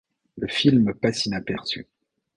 Le film passe inaperçu.